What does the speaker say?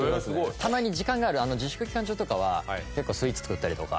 たまに時間があるあの自粛期間中とかはよくスイーツ作ったりとか。